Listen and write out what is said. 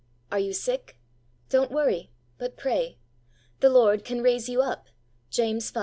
Are you sick ? Don't worry, but pray. The Lord can raise you up (James v.